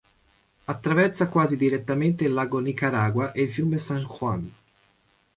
Attraversa quasi direttamente il lago Nicaragua e il fiume San Juan.